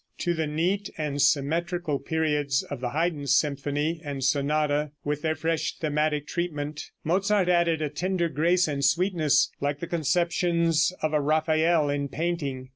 To the neat and symmetrical periods of the Haydn symphony and sonata, with their fresh, thematic treatment, Mozart added a tender grace and sweetness like the conceptions of a Raphael in painting.